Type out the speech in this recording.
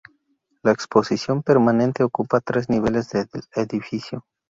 La exposición permanente ocupa tres niveles del edificio.